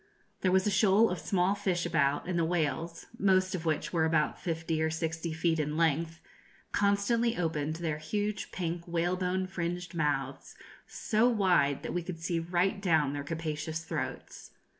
There was a shoal of small fish about, and the whales, most of which were about fifty or sixty feet in length, constantly opened their huge pink whalebone fringed mouths so wide that we could see right down their capacious throats.